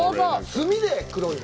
炭で黒いの？